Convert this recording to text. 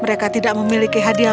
mereka tidak memiliki hadiah